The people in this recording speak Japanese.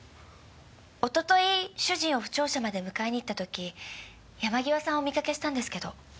おととい主人を府庁舎まで迎えに行った時山際さんをお見かけしたんですけど。